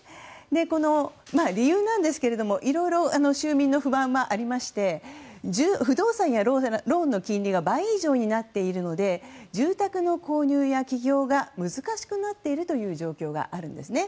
この理由なんですけれどもいろいろ州民の不満はありまして不動産やローンの金利が倍以上になっているので住宅の購入や起業が難しくなっているという状況があるんですね。